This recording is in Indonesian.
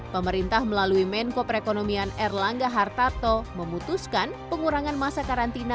pemerintah melalui menko perekonomian erlangga hartarto memutuskan pengurangan masa karantina